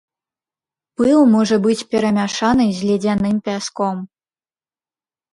Пыл можа быць перамяшаны з ледзяным пяском.